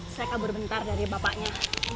saya kabur bentar dari bapaknya